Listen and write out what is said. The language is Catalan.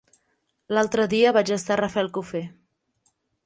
L'altre dia vaig estar a Rafelcofer.